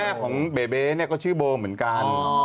คือแม่ของเบเบก็ชื่อโบเหมือนกัน